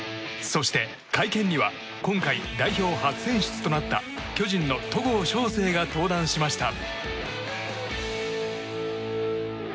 そして会見には今回、代表初選出となった巨人の戸郷翔征が登壇しました。